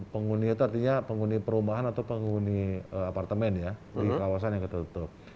penghuni itu artinya penghuni perumahan atau penghuni apartemen ya di kawasan yang tertutup